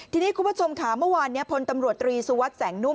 ทีนี้คุณผู้ชมค่ะเมื่อวานนี้พลตำรวจตรีสุวัสดิแสงนุ่ม